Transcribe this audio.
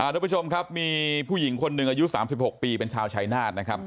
ทุกผู้ชมครับมีผู้หญิงคนหนึ่งอายุ๓๖ปีเป็นชาวชายนาฏนะครับ